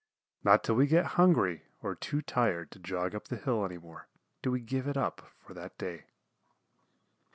Not till we get hungry or too tired to jog up the hill any more do we give it up for that day.